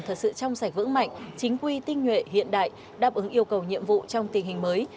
thật sự trong sạch vững mạnh chính quy tinh nhuệ hiện đại đáp ứng yêu cầu nhiệm vụ trong tình hình mới